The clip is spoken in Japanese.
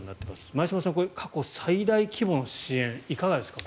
前嶋さん、過去最大規模の支援いかがですか